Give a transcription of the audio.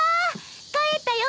帰ったよ。